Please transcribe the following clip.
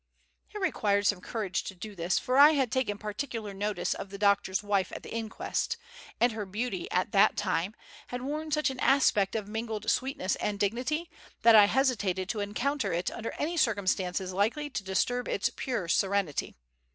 It required some courage to do this, for I had taken particular notice of the doctor's wife at the inquest, and her beauty, at that time, had worn such an aspect of mingled sweetness and dignity that I hesitated to encounter it under any circumstances likely to disturb its pure serenity.